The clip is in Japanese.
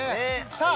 さあ